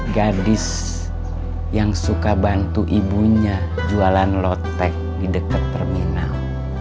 gadis yang suka bantu ibunya jualan lotek di dekat terminal